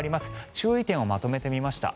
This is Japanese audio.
注意点をまとめてみました。